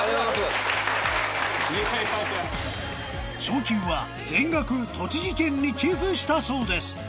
賞金は全額栃木県に寄付したそうです